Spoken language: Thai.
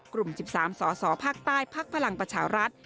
กลุ่ม๑๓สศภาคใต้ภักรรณประชารัฐ